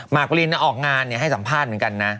กรลินออกงานให้สัมภาษณ์เหมือนกันนะ